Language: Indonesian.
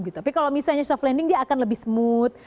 tapi kalau misalnya soft landing dia akan lebih smooth